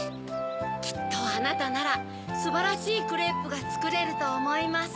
きっとあなたならすばらしいクレープがつくれるとおもいます。